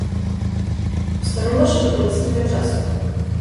Остануваше до доцните часови.